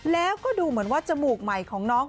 แล้วก็ดูเหมือนว่าจมูกใหม่ของน้อง